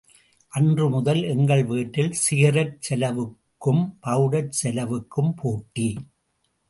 அன்று முதல் எங்கள் வீட்டில் சிகரெட் செலவுக்கும் பவுடர் செலவுக்கும் போட்டி.